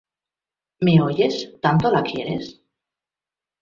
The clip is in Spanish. ¿ me oyes? ¿ tanto la quieres?